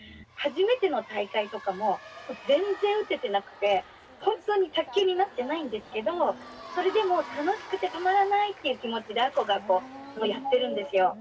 初めての大会とかも全然打ててなくてほんとに卓球になってないんですけどそれでも楽しくてたまらないっていう気持ちで亜子がやってるんですよ。